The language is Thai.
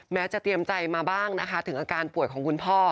จะเตรียมใจมาบ้างนะคะถึงอาการป่วยของคุณพ่อ